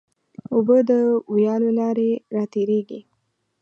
اوبه د ویالو له لارې راتېرېږي.